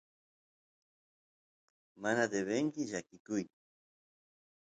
mana devenki llakikuy